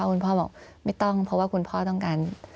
คุณพ่อบอกไม่ต้องเพราะว่าคุณพ่อต้องการ